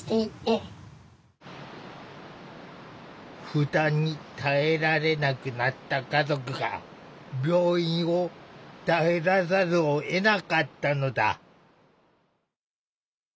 負担に耐えられなくなった家族が病院を頼らざるをえなかったのだ。